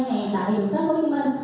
nhà hàng tại đường sách hồ chí minh